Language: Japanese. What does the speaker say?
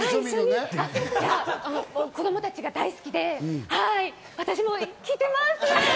子供たちが大好きで、私も聴いてます